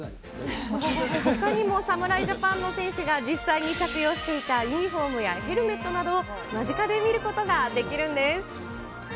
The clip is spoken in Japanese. ほかにも侍ジャパンの選手が実際に着用していたユニホームやヘルメットなどを間近で見ることができるんです。